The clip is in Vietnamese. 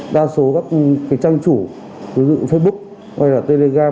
đa số các trang chủ ví dụ facebook hay là telegram